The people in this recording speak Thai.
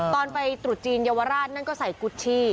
ตอนไปตรุษจีนเยาวราชนั่นก็ใส่กุชชี่